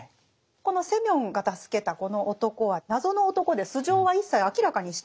このセミヨンが助けたこの男は謎の男で素性は一切明らかにしていないんですね。